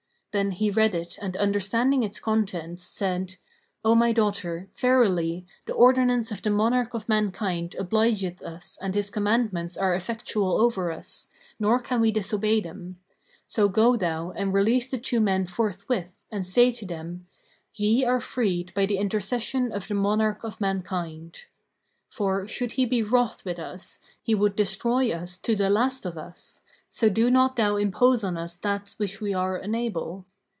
Then he read it and understanding its contents said, "O my daughter, verily, the ordinance of the monarch of mankind obligeth us and his commandments are effectual over us, nor can we disobey him: so go thou and release the two men forthwith and say to them, 'Ye are freed by the intercession of the monarch of mankind.' For, should he be wroth with us, he would destroy us to the last of us; so do not thou impose on us that which we are unable."